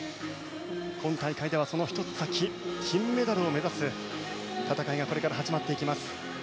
今大会ではその１つ先金メダルを目指す戦いがこれから始まっていきます。